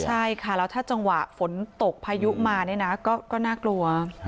ใช่ค่ะแล้วถ้าจังหวะฝนตกพายุมานี่นะก็น่ากลัว